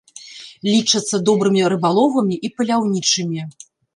Лічацца добрымі рыбаловамі і паляўнічымі.